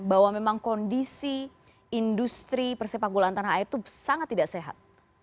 bahwa memang kondisi industri persepak bolaan tanah air itu sangat tidak sehat